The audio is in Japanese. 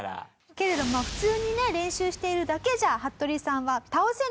けれど普通に練習しているだけじゃ服部さんは倒せない。